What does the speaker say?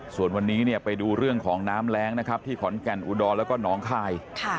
ส่วนวันนี้ไปดูเรื่องของน้ำแร้งที่ขอนแก่นอูฎอดแล้วหนองไข่